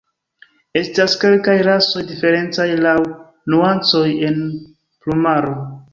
Estas kelkaj rasoj diferencaj laŭ nuancoj en plumaro.